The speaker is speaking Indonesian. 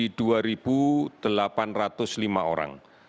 meninggal lima puluh satu orang totalnya menjadi dua delapan ratus lima orang